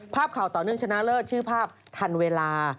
ภาพข่าวต่อเนื่องชนะเลิศชื่อภาพทันเวลา